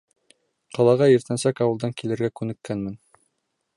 Ҡалаға иртәнсәк ауылдан килергә күнеккәнмен.